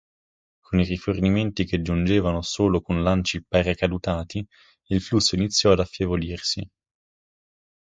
Con i rifornimenti che giungevano solo con lanci paracadutati, il flusso iniziò ad affievolirsi.